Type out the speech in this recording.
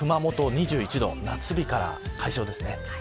熊本２１度夏日から解消ですね。